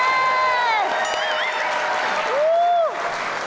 ถูกครับ